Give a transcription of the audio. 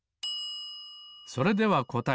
それではこたえ。